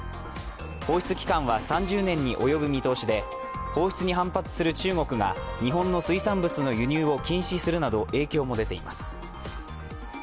放出期間は３０年に及ぶ見通しで放出に反発する中国が日本の水産物の輸入を禁止するなど影響も出ています。